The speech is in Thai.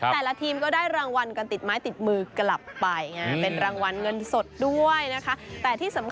แต่ละทีมก็ได้รางวัลกันติดไม้ติดมือกลับไปอย่างงี้